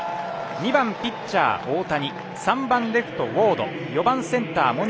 ２番ピッチャー、大谷。